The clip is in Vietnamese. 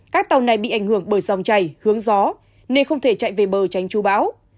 các tàu này bị ảnh hưởng bởi dòng chảy hướng gió nên không thể chạy về bờ tránh chú bão